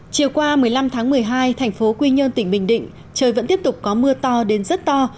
chiều qua một mươi năm tháng một mươi hai thành phố quy nhơn tỉnh bình định trời vẫn tiếp tục có mưa to đến rất to